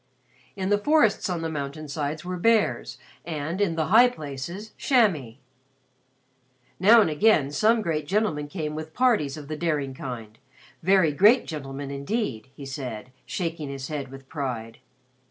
In the forests on the mountain sides were bears and, in the high places, chamois. Now and again, some great gentlemen came with parties of the daring kind very great gentlemen indeed, he said, shaking his head with pride.